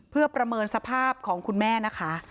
เพื่อประเมินสภาพของคุณแม่นะคะ